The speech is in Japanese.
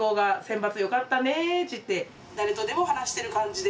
ちって誰とでも話してる感じで。